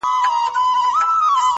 لکه کوچۍ پر ګودر مسته جګه غاړه ونه!